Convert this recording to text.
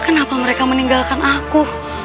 kenapa mereka meninggalkan aku